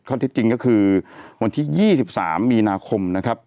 ที่จริงก็คือวันที่๒๓มีนาคมนะครับ